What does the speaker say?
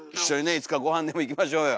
いつか御飯でも行きましょうよ。